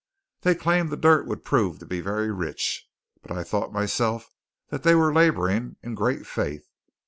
They claimed their dirt would prove to be very rich; but I thought myself that they were labouring in great faith.